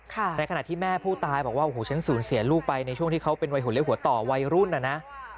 ในขณะที่แม่ผู้ตายบอกว่าโอ้โหฉันสูญเสียลูกไปในช่วงที่เขาเป็นวัยหัวเลี้ยหัวต่อวัยรุ่นน่ะนะ